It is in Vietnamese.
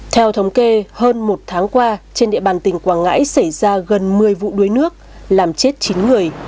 theo thống kê hơn một tháng qua trên địa bàn tỉnh quảng ngãi xảy ra gần một mươi vụ đuối nước làm chết chín người